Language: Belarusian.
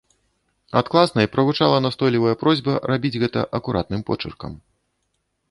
Ад класнай прагучала настойлівая просьба рабіць гэта акуратным почыркам.